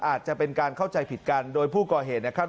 อาจจะเป็นการเข้าใจผิดกันโดยผู้ก่อเหตุนะครับ